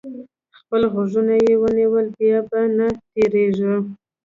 خپل غوږونه یې ونیول؛ بیا به نه تېروځي.